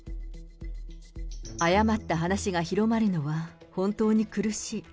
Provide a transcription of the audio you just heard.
誤った話が広まるのは本当に苦しい。